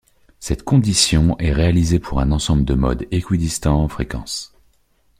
Cette condition est réalisée pour un ensemble de modes équidistants en fréquence.